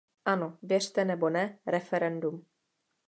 Ano, věřte nebo ne, referendum.